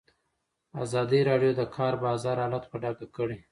ازادي راډیو د د کار بازار حالت په ډاګه کړی.